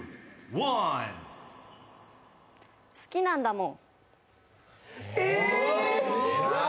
好きなんだもん。